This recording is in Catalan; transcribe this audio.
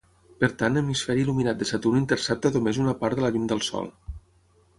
Per tant hemisferi il·luminat de Saturn intercepta només una part de la llum del Sol.